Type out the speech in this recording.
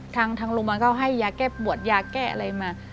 ทางโรงพยาบาลก็ให้ยาแก้ปวดยาแก้อะไรมา